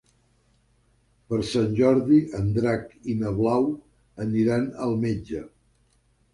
Per Sant Jordi en Drac i na Blau aniran al metge.